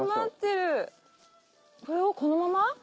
これをこのまま？